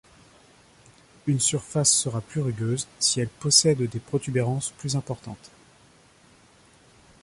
Une surface sera plus rugueuse si elle possède des protubérances plus importantes.